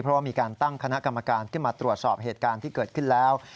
เพราะว่ามีการตั้งคณะกรรมการขึ้นมาตรวจสอบเหตุการณ์ที่เกิดขึ้นแล้ว